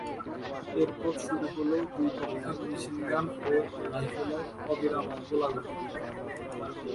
এরপর শুরু হলো দুই পক্ষের মেশিনগান ও রাইফেলের অবিরাম গোলাগুলি।